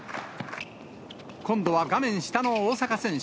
今度は画面下の大坂選手。